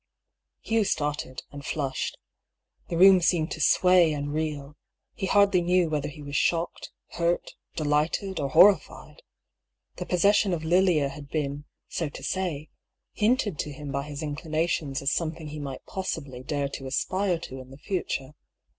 Hugh started, and flushed. The room seemed to sway and reel ; he hardly knew whether he was shocked, hurt, delighted, or horrified. The possession of Lilia had been, so to say, hinted to him by his inclinations as something he might possibly dare to aspire to in the future.